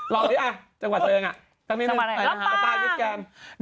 ลองอีกจังหวัดตัวเองอะตั้งนี้นึงปากปางกิ๊ดแกนสักหวัดแหลงละครับ